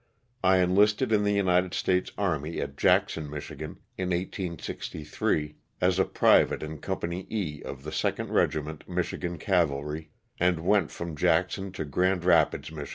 I enlisted in the United States army, at Jackson, Mich., in 1863, as a private in Company E of the 2nd Regiment Michigan Cavalry, and went from Jackson to Grand Rapids, Mich.